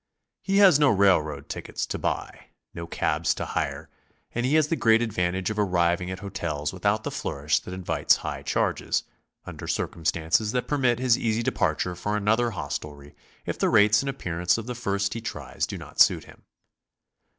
He lus no BICYCLE TOURING. B? railroad tickets to buy, no cabs to hire, and he has the great advantage of arriving at hotels without the flourish that in vites high charges, under circumstances that permit his easy departure for another hostelry if the rates and appearance of the first he tries do not suit him.